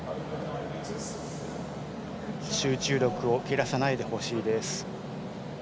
集中力を切らさないでほしいです。